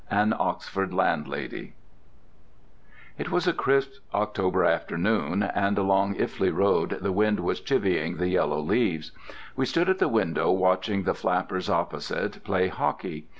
AN OXFORD LANDLADY It was a crisp October afternoon, and along Iffley Road the wind was chivvying the yellow leaves. We stood at the window watching the flappers opposite play hockey.